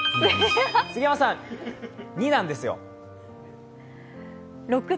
杉山さん、２なんですよ。